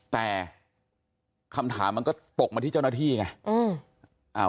แต่คำถามมันก็ตกมาที่เจ้าหน้าที่ไง